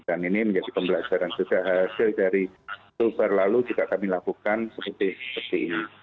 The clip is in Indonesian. dan ini menjadi pembelajaran juga hasil dari super lalu juga kami lakukan seperti ini